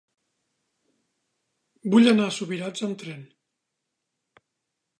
Vull anar a Subirats amb tren.